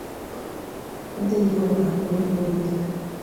Adhii nyieo ang'olo manyien.